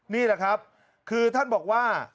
นี่แหละครับคือท่านบอกว่า